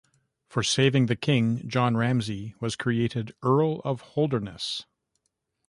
For saving the king, John Ramsay was created Earl of Holderness.